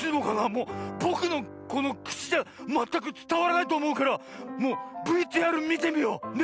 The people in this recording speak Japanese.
もうぼくのこのくちじゃまったくつたわらないとおもうからもうＶＴＲみてみよう。ね？